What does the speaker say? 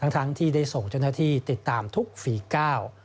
ทั้งที่ได้ส่งเจ้าหน้าที่ติดตามทุกฝีก้าว